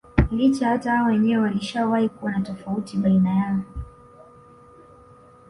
Licha hata hao wenyewe walishawahi kuwa na tofauti baina yao